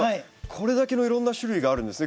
これだけのいろんな種類があるんですね